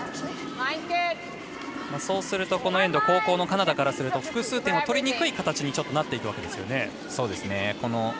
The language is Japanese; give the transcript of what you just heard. そうすると、このエンド後攻のカナダからすると複数点を取りにくい形になっていくわけですよね。